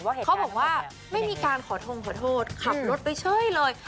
เขาบอกว่าไม่มีการขอทงขอโทษขับรถไปเฉยเลย